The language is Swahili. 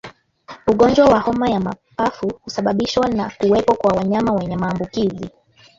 Ugonjwa wa homa ya mapafu husababishwa na kuwepo kwa wanyama wenye maambukizi